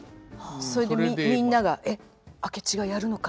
それでみんなが「えっ明智がやるのか？」